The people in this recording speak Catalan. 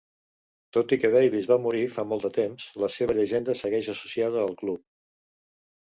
Tot i que Davies va morir fa molt de temps, la seva llegenda segueix associada al club.